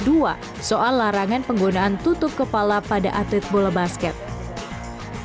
aturan baru yang memperbolehkan penggunaan tutup kepala atas alasan agama akan mulai diperlakukan pada tahun dua ribu tujuh puluh